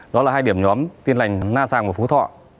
đó là hai điểm nhóm tiên lành na giang và phú thọ